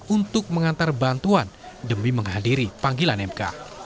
untuk mengantar bantuan demi menghadiri panggilan mk